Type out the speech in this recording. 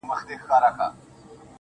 خير دی ، دى كه اوسيدونكى ستا د ښار دى_